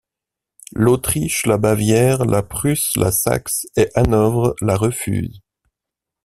L'Autriche, la Bavière, la Prusse, la Saxe et Hanovre la refusent.